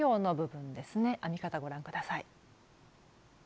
編み方ご覧下さい。